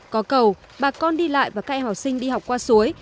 có cầu bà con đi lại và các em học sinh đi học qua suối